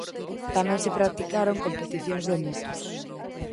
Tamén se practicaron competicións de motos.